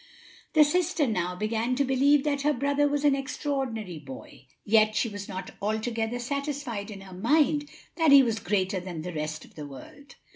The sister now began to believe that her brother was an extraordinary boy; yet she was not altogether satisfied in her mind that he was greater than the rest of the world.